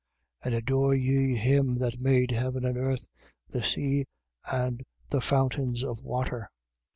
And adore ye him that made heaven and earth, the sea and the fountains of waters.